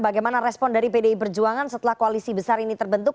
bagaimana respon dari pdi perjuangan setelah koalisi besar ini terbentuk